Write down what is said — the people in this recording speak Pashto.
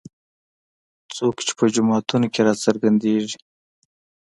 څوک چې په جوماتونو کې راڅرګندېږي.